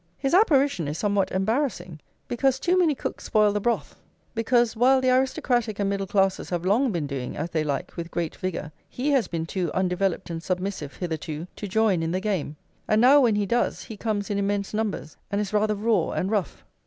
His apparition is somewhat embarrassing, because too many cooks spoil the broth; because, while the aristocratic and middle classes have long been doing as they like with great vigour, he has been too undeveloped and submissive hitherto to join in the game; and now, when he does come, he comes in immense numbers, and is rather raw and rough.